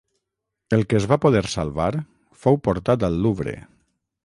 El que es va poder salvar fou portat al Louvre.